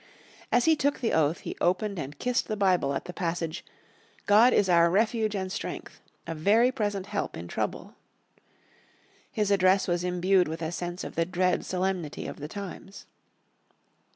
As he took the oath he opened and kissed the Bible at the passage "God is our refuge and strength, a very present help in trouble." His address was imbued with a sense of the dread solemnity of the times.